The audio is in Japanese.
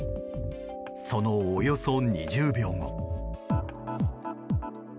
そのおよそ２０秒後。